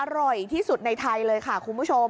อร่อยที่สุดในไทยเลยค่ะคุณผู้ชม